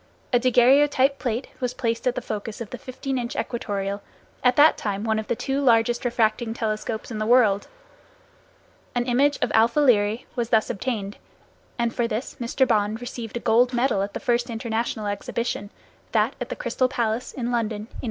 A daguerreotype plate was placed at the focus of the 15 inch equatorial, at that time one of the two largest refracting telescopes in the world. An image of [Greek: alpha] Lyræ was thus obtained, and for this Mr. Bond received a gold medal at the first international exhibition, that at the Crystal Palace, in London, in 1851.